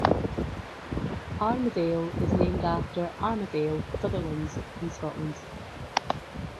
Armadale is named after Armadale, Sutherland in Scotland.